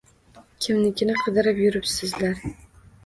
– Kimnikini qidirib yuribsizlar?